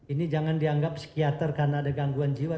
ini jangan dianggap psikiater karena ada gangguan jiwa